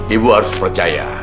ibu harus percaya